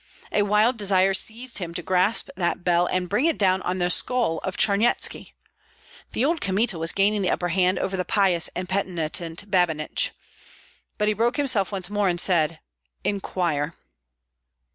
A wild desire seized him to grasp that bell and bring it down on the skull of Charnyetski. The old Kmita was gaining the upper hand over the pious and penitent Babinich; but he broke himself once more and said, "Inquire."